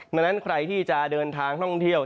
ดังนั้นใครที่จะเดินทางท่องเที่ยว